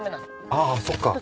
ああそっか。